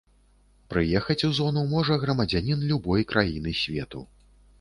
Прыехаць у зону можа грамадзянін любой краіны свету.